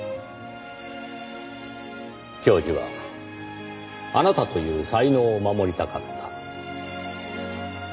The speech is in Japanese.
教授はあなたという才能を守りたかった。